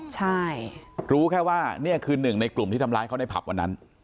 ใช่รู้แค่ว่านี่คือหนึ่งในกลุ่มที่ทำร้ายเขาในผับวันนั้น